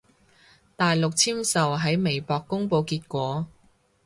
大陸簽售喺微博公佈結果